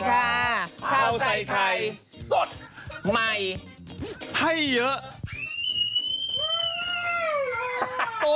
ป๊ายุสวัสดีก่อนสดใหม่ให้เยอะก่อน